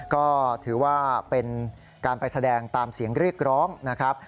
ก็ถือว่าเป็นการไปแสดงตามเสียงเรียกร้องนะครับ